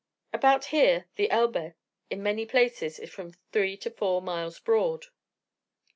About here the Elbe, in many places, is from three to four miles broad.